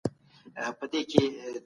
تاسي تل د نوي ژوند پیل کوئ.